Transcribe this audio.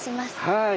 はい。